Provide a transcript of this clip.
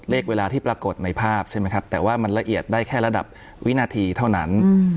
เวลาที่ปรากฏในภาพใช่ไหมครับแต่ว่ามันละเอียดได้แค่ระดับวินาทีเท่านั้น